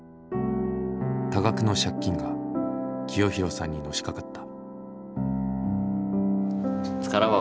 多額の借金が清弘さんにのしかかった。